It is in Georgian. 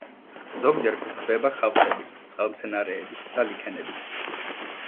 ზოგჯერ გვხვდება ხავსები, წყალმცენარეები და ლიქენები.